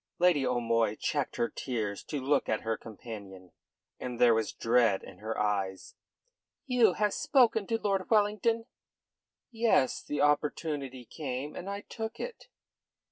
Lady O'Moy checked her tears to look at her companion, and there was dread in her eyes. "You have spoken to Lord Wellington?" "Yes. The opportunity came, and I took it."